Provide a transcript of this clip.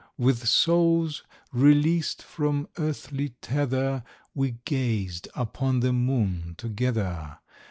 With souls released from earthly tether, We gazed upon the moon together.